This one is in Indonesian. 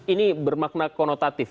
ini bermakna konotatif